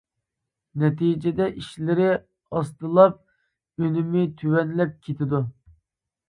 نەتىجىدە ئىشلىرى ئاستىلاپ، ئۈنۈمى تۆۋەنلەپ كېتىدۇ.